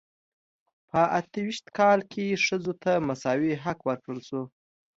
په اته ویشت کال کې ښځو ته مساوي حق ورکړل شو.